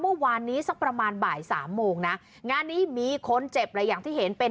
เมื่อวานนี้สักประมาณบ่ายสามโมงนะงานนี้มีคนเจ็บเลยอย่างที่เห็นเป็น